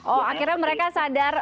oh akhirnya mereka sadar